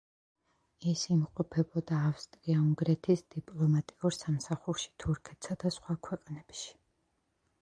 ის იმყოფებოდა ავსტრია-უნგრეთის დიპლომატიურ სამსახურში თურქეთსა და სხვა ქვეყნებში.